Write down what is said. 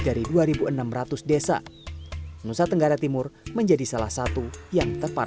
deri jangan ambil air